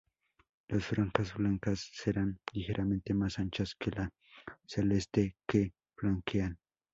Las franjas blancas serán ligeramente más anchas que la celeste que flanquean.